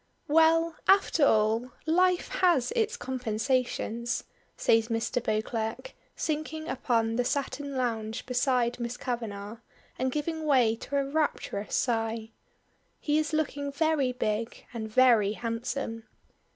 "Well, after all, life has its compensations," says Mr. Beauclerk, sinking upon the satin lounge beside Miss Kavanagh, and giving way to a rapturous sigh. He is looking very big and very handsome.